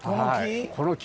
この木？